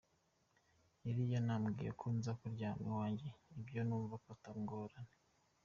"Yari yanambwiye ko nza kuryama iwanje, ivyo numva ko ata ngorane.